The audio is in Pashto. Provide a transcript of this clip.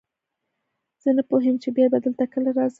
زه نه پوهېږم چې بیا به دلته کله راځم.